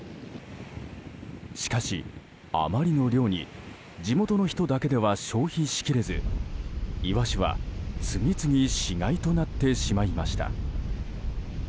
しかし、あまりの量に地元の人だけでは消費しきれずイワシは次々死骸となってしまいました。